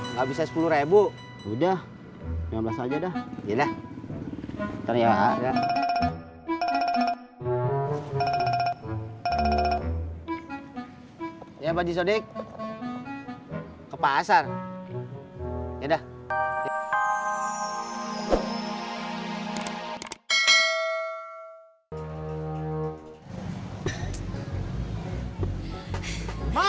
nggak bisa sepuluh udah udah ya ya ya pak jisodik ke pasar ya dah